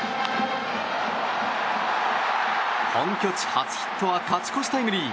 本拠地初ヒットは勝ち越しタイムリー。